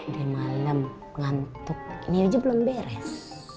udah malem ngantuk ini aja belum beres